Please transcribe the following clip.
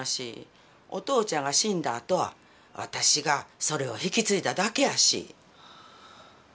お父ちゃんが死んだあとは私がそれを引き継いだだけやし。